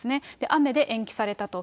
雨で延期されたと。